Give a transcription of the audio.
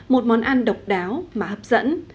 một món ăn độc đáo mà hấp dẫn